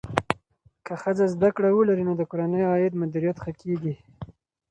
که ښځه زده کړه ولري، نو د کورنۍ د عاید مدیریت ښه کېږي.